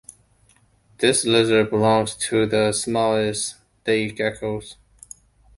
This lizard belongs to the smallest day geckos.